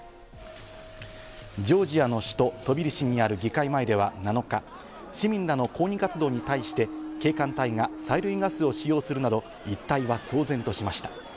ジョージアの首都トビリシにある議会前では７日、市民らの抗議活動に対して警官隊が催涙ガスを使用するなど、一帯は騒然としました。